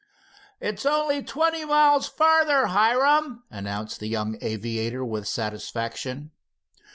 "It's only twenty miles farther, Hiram," announced the young aviator with satisfaction.